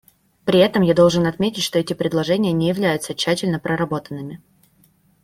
При этом я должен отметить, что эти предложения не являются тщательно проработанными.